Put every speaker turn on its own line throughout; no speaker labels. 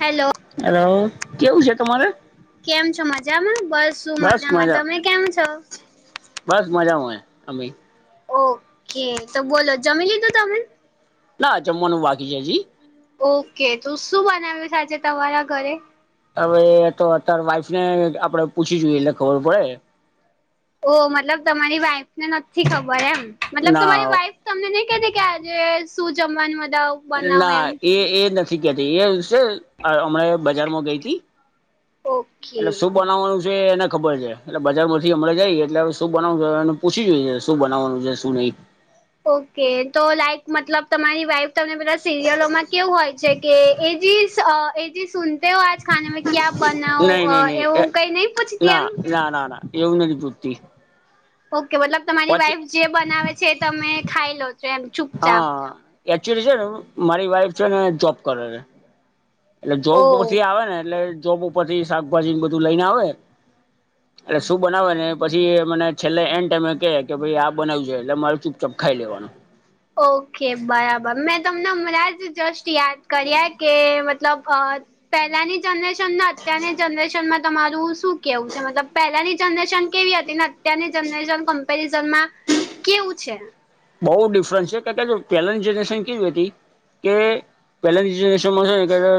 Hello
hello કેવું છે તમારે
કેમ છો મજામાં બસ શું મજામાં તમે કેમ છો
બસ મજામાંય અી
ઓકે તો બોલો જમીન લીધ તમીન
ના જમવાનું બાકી છે જી
ઓકે તોું શું બનાવ્યું આજે તમારા ઘરે
હવે તો અતાર વાઈફ ને આપડે પૂછી જોઈએ એટલે ખબર પડે.
ઓ મતલબ તમારી વાઈફ ને નથી ખબર એમ મતલબ તમારી
ના
વાઈફ તમને નઈ કતીી કે આજે શું જમવાનું બદા.
ના એ એ નથી કેતી એ છે હમણા બજારમાં ગઈ હતી
ઓકે
એટલે શું બનાવવાનું. એને ખબર છે એટલે બજાર થી હમરે જાયએ એટલે હવે શું બનાવ એ પૂછી જોઈએ શું બનાવવાનું છે શું નહી.
ઓકે તો લાઈક મતલબ તમારી વાઈફ તમને બધા સિરિયલોમાં કેવું હોય છે. કે એ એ. તેઓ આજ ખાનામાં ક્યાં
નહી
બનાવો
નહી નહી એ
એવું કઈ નહી પૂછતી એમ.
ના ના નાના. યોગ નથીદી પૂતી.
ઓકે મતલબ તમારી વાઈફ જે બનાવે છે એ તમે ખાઈ લો છો એમ. ચૂપચાપ
હા એકચલી છે ને મારી વાઈફ છે ને જોબ કરે છે. એટલે જોબ
ઓ
ઉપરથી આવે ને એટલે જોબ ઉપર થી શાકભાજી બધું લઈ ને આવે.
હ.
એટલે શું બનાવે ને પછી મને છેલ્લે એન્ડ ટાઈમે કહે કે ભાઈ આ બનાવ્યું જોઈ એટલે મારું ચુપચાપ ખાઈ લેવાનું.
ઓકે બરાબર મેં તમને હમરા જ દ્રષ યાદ કર્યા કે મતલબ. અ પહેલાની જનરેશન ને અત્યારની જનરેશન માં. તમારું શું કેવું છે મતલબ પહેલાની જનરેશન કેવી હતી ને અત્યારની જનરેશન કમ્પેરિઝન માં. કેવું છે.
બહુ ડિફરન્સ છે કારણ કે પહેલાની જનરેશન કેવી હતી કે. પેલા બીજ દેશોમાં છે ને.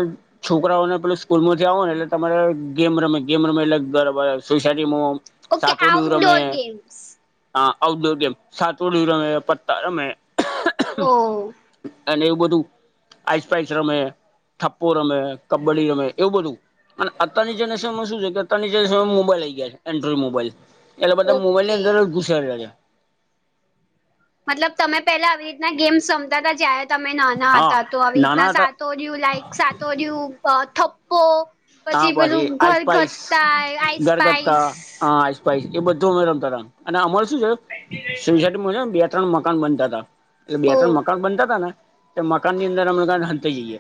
છોકરાઓને પે સ્કૂલ માંથી આવો ને એટલે તમારે ગેમ રમે ગેમ રમે એટલે સોસાયટીમાં.
ઓકે
સાચોડું રમે.
આઉટડોર ગેમ્સ
હા આઉટડોર ગેમ સાતવડું રમે પત્તા રમે.
ઓ
અને એવું બધું આઈસ પાઇસ રમે. ઠપ્પો રમે કબ્ડી રમે એવું બધું. અને અની જનરેશનમાં શું છે કેની જરેશનમાં મોબાઈલ આવી ગયાાય એન્ડ્રોડ મોબાઈલ. એટલે બધા મોબાઈલની
ઓકે
અંદર જ ઘુસેે છે.
મતલબ તમે પેલા આવી રીતના ગેમ્સ જમતા હતા જ્યારે તમે નાના
હા
હતા તો આવી
નાના
રીતના સા.
હતા
સાતો દું લાઈક સાતોો દું થપ્પો.
હા
પછી
બરી
પેલું
આઈસપઇસ
ઘરઘથ્થા આઈસ
ગરગત્તા
પાઈસ
હા. એ બધું અમે રમતા હતા અને અમાર શું છે સસ બે ત્રણ મકાન બનતા હતા. એટલે બે
ઓ
ત્રણ મકાન બનતા હતાા ને તો મકાન ની અંદર હમ હતા જઈએ.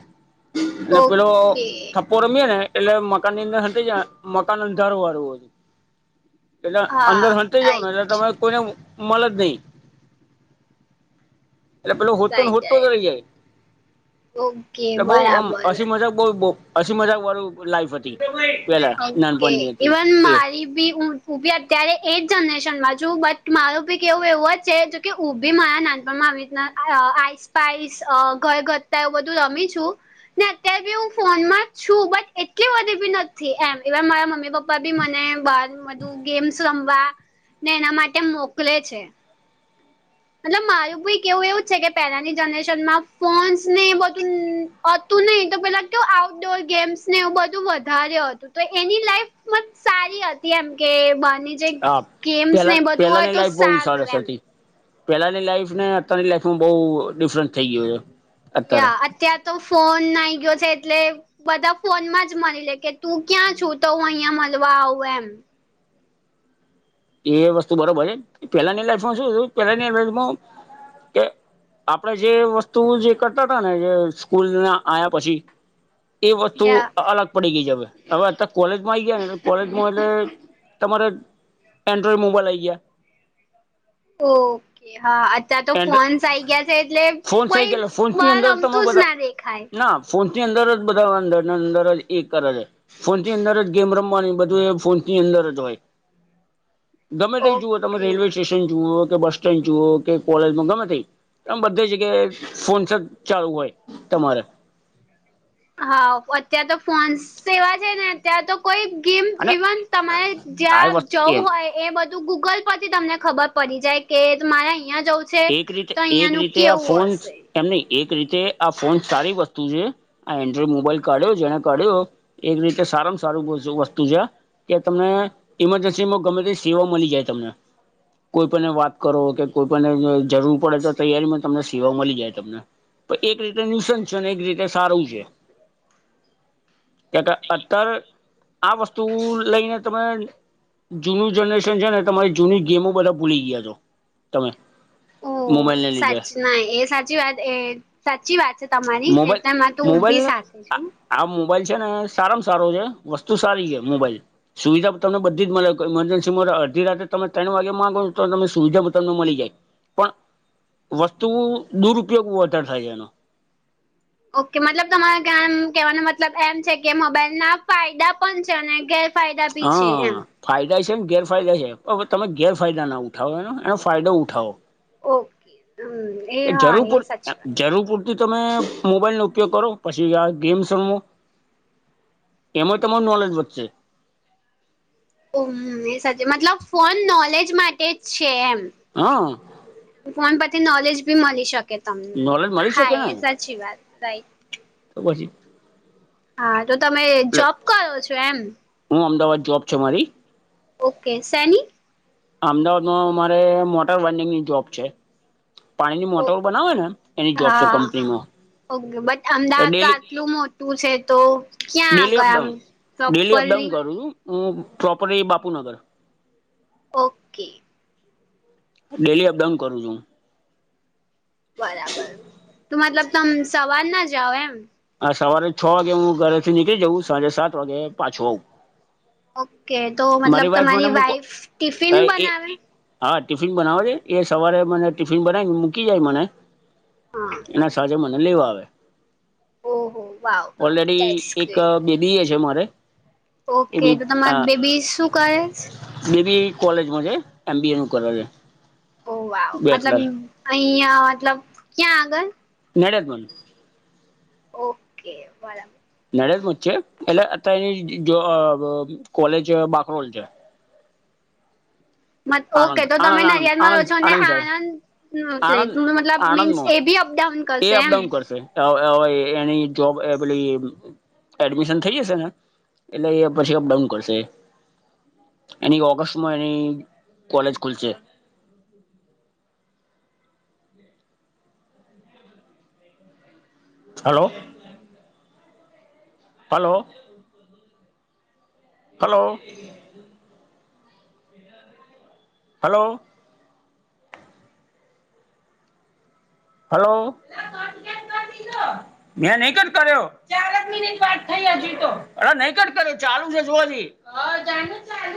એ પેલો
ઓકે
થપ્પો રમીએે ને. એટલે મકાન ની અંદર જ મકાન અંધારું વારવું હો. એટલે અંદર
હા
હટી જાાવ ને એટલે
રાઈટ
તને કોઈને મળ જ નહી. એટલે પેલો હોતો
રાઈટ
હોતો જ રહી
રાઈટ
જાય.
ઓકે
એ બઉમ
બરાબર
અસીી મજાક બઉ અસી મજાક વાળું. લાઈફ હતી પેલા
ઓકે
નાનપણની હતી
ઇવન
એ
મારી બી. હું બી અત્યારે એ જનરેશનમાં છું બટ મારું બી કે એવું એવું જ છે જોકે હું બી મારા નાનપણમાં આવી રીતના. અ આઈસ પાસ ઘય ગથતા એવું બધું રમી છું. અત્યારે બી હું ફોન માં જ છું બટ. કે વધી બી નથી એમ મારા મમ્મી પપ્પા બી મને બાર બધું ગેમ્ સમમવા ને એના માટે મોકલે છે. મતલબ મારું બ કેવું એવું છે કે પહેલાની જનરેશન માં ફોન્સ ને બધું. હતું નહિ તો પેલા કે આઉટડોર ગેમ્સ ને એવું બધું વધારે હતું તો એની લાઈફ. કિમત સારી હતી એમ કે બની જે
હા
ગેમ્સ ને
પેલા
બધું હોય
પેલાની
તો
લાઈફ બહુ
સારું
સરસ
એમ.
હતી પેલાની લાઈફ ને અતની લાઈફમાં બહઉ ડિફરન્સ થઈ ગયયો છે. અત્યારે
યા અત્યાર તો ફોન નાઈ ગયો છે એટલે. બધા ફોનમાં જ મળી લે કે તું ક્યાં છું તો હું અહિયાં મળવા આવું એમ.
એ વસ્તુ બરોબર છે પેલાની લાઈફમાં શું પેલાની લફ. .
[inaudible]
આપણે જે વસ્તુ જે કરતા હતા ને જે સ્કૂલને આ્યા પછી. એ વસ્તુ
યા
અલગ. પડી ગઈ જ હ હવે અત કોલેજમાં આવી ગયા ને કોલેજમાં એટલે તમારે. એન્ડ મોબાઈલ આ ગયા.
ઓકે હા. ત્યાં તો
એન્ડ
ફોન્સ આ આવી ગયા છે એટલે
ફોન્સ આઈ
કોઈ
ગયા એટલે
બલ અમતું જ ના દેખાય.
ફોન્સ ની અંદર જ બધા અંદરની અંદર જ એ કરે. ફોન ની અંદર જ ગેમ રમવાની બધું એ ફોન ની અંદર જ હોય. ગમે ત જુઓ તમે
ઓકે
રેલવે સ્ટેશન જુઓ કે બસ સ્ટેન્ડ જુઓ કે. કોલેજમાં ગમે તે આમ બધી જગ્યાએ ફોનસ જ ચાલુ હોય તમારે
હા અતાર તો ફોન સેવા છે ને. ત્યાં તો કોઈ ગેમ
અને
ઇવન તમારે
આ
જ્યાં
વસ્તુ
જવું
એમ
હોય. એ બધું ગૂગલ પરથી તમને ખબર પડી જાય કે મારે અહં જવું. છે
એક રીતે
તો
એક
અહિયાંનું
રીતે આ
કેવું
ફોન.
હશે
એમ નહી એક રીતે આ ફોન સારી વસ્તુ છે આ એન્ડ્રોઈડ મોબાઈલ કાઢ્યો જેને કાઢ્યો એક રીતે સારામાં સારું વસ્તુ છે. કે તમને ઈમરજન્સી માં ગમે તે સેવા મળી જાય તમને. કોઈ પણ વાત કરો કે કોઈ પણને જરૂર પડે તો તૈયારીમાં તમને સેવા મળી જાય તમને. એક રીતે નિસંત છે અને એક રીતે સારું છે. ક કે અત્યારે આ વસ્તુ લઈને તમે જૂનું જનરેશન છે ને તમારી જૂની ગેમો બધા ભૂલી ગયા છો તમે.
ઓ
મોબાઈલ ને
સાચ
લીધે.
ના એ સાચી વાત એ સાચી વાત છે તમારી
મોબાઈલ
એટલેમાં તું
મોબાઈલ
ઊભી સાથે
આ
છું.
આ મોબાઈલ છે ને સારામાં સારો છે વસ્તુ સારી છે મોબાઈલ સુવિધા તમ બધી જ મળે મરજન્સીમાં અડી રાતે તમે ત્રણ વાગે માગો છો તો તમે સુવિધા પણ તમને મળી જાય પણ વસ્તુ દુરુપયોગ વધારે થાય છેાય એનો
ઓકે મતલબ તમારે કેવાન કેવાનો મતલબ એમ છે કે મોબાઈલના ફાયદા પણ છે અને ગેર
હહ ફાયદાએ છે ને ગેરફાયદાએ છે. હવે તમે ગેરફાયદા ના ઉઠાવો એનો એનો ફાયદો ઉઠાવો.
ઓકે હમ એ
કે
હા
જરૂર
એ
પૂર
સાચી વાત
જરૂર પૂરતી તમે મોબાઈલનો ઉપયોગ કરો પછી આ ગેમ સમો એમમાં તમામો નલેજ વધ છે
હમ એ સાચે મતલબ ફોન નોલેજ માટે જ છે એમ.
હા
ફોન પરથી નોલેજ બી મળી શકે તમને
નોલેજ મળી
હા
શકે ને
એ સાચી વાત રાઈટ
તો પછી
હા તો તમે જોબ કરયો છો એમ
હું અમદાવાદ જોબ છે મારી.
ઓકે શેની?
અમદાવાદમાં મારે મોટર વેન્ડિંગની જોબ છે. પાણીની
ઓ
મોટરો બનાવે ને એની જોબ છે
હા
કંપનીમાં.
ઓકે બટ અમદાવાદ તો
ડેલી
આટલું મોટું છે તો ક્યાં
ડેલી
આગળ આમ પ્રોપરલી?
અમ properly Bapunagar.
Okay
daily up down કરું છું હું.
બરાબર. તો મતલબ તમ સવારના જાઓ એમ?
હા સવારે છ વાગે હું ઘરેથી નીકળી જઉં સાંજે સાત વાગે પાછો આવું.
ઓકે તો મતલબ
મારી વાઈફ મને
તમારી
મૂકો
વાઈફ ટિફિન
એ
બનાવે?
હા ટિફિન બનાવે તેએ એ સવારે મને ટિફિન બનાઈને મૂકી જાય મને
હા
ના સાંજે મને લેવા આવે.
ઓહો વાવ
ઓલરેડી
ધેટ્સ
એક
ગ્રેટ.
બેબીએ છે મારે. એ
ઓકે તો તમારી બેબી શું કરે છે?
બેબી કોલેજમાં છે. એમબીએનું કરે છે.
ઓહ વાહ! મતલબ
બેચલર
અહીંયા મતલબ ક્યાં આગળ?
નડ્યાદ બન.
ઓકે બરાબર.
નડિયાદમાં જ છે. એટલે અતારે જોબ કોલેજ બાકરોલ છે.
ઓકે
આણંદ
તો
આણંદ
તમે
આણંદ આણંદ
નડિયાદમાં રહો છો
આણંદ
ને
આણંદ સાઇડ.
આણંદ
આણંદ
એટલે મતલબ મીન્સ
આણંદમો
એ બી અપડાઉન
એ
કરશે
અપડાઉન
એમ.
કરશે. હ હ હવે એની જોબ એ પેલી એડમિશન થઈ જશે ને એટલે એ પછી અપડાઉન કરશે. એની ઓગસ્ટમાં એની કોલેજ ખુલશે. Hello hello hello hello hello [inaudible] મેં નહી કટ કર્યો ચાર જ મિનિટ વાત થઈ હજી તો અરે નહી કટ કર્યો ચાલુ છે જુઓ હજી.